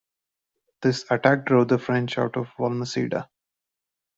This attack drove the French out of Valmaseda.